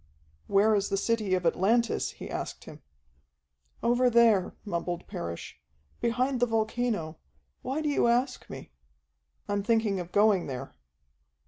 "Where is the city of Atlantis?" he asked him. "Over there," mumbled Parrish. "Behind the volcano. Why do you ask me?" "I'm thinking of going there."